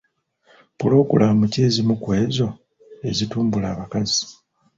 Pulogulaamu ki ezimu ku ezo ezitumbula abakazi?